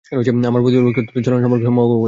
আমার প্রতিপালক তো তাদের ছলনা সম্পর্কে সম্যক অবগত।